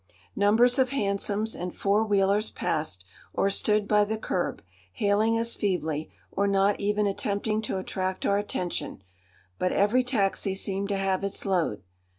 Numbers of hansoms and four wheelers passed, or stood by the curb, hailing us feebly, or not even attempting to attract our attention, but every taxi seemed to have its load.